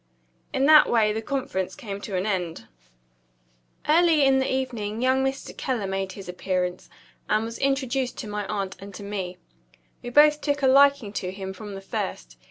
In that way the conference came to an end. Early in the evening young Mr. Keller made his appearance, and was introduced to my aunt and to me. We both took a liking to him from the first.